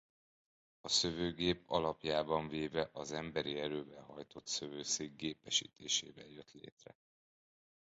A szövőgép alapjában véve az emberi erővel hajtott szövőszék gépesítésével jött létre.